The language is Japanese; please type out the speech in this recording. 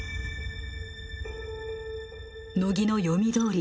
乃木の読みどおり